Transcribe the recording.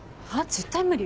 絶対無理。